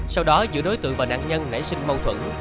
sau đó giữa đối tượng và nạn nhân nảy sinh mâu thuẫn